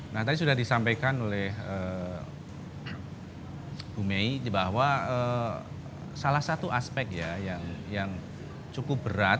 nah tadi sudah disampaikan oleh bu mei bahwa salah satu aspek ya yang cukup berat